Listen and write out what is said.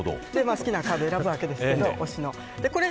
好きなカードを選ぶわけですけど。